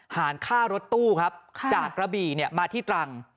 หารค่ารถตู้ครับจากกระบี่มาที่ตรัง